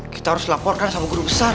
kita harus laporkan sama guru besar